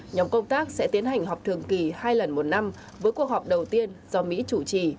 nhóm công tác sẽ tiến hành họp thường kỳ hai lần một năm với cuộc họp đầu tiên do mỹ chủ trì